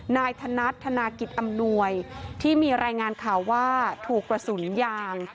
นายธนัดธนากิจอำนวยที่มีรายงานข่าวว่าถูกกระสุนยาง